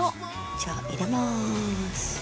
じゃあ入れます。